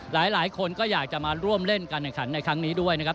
หลายคนก็อยากจะมาร่วมเล่นการแข่งขันในครั้งนี้ด้วยนะครับ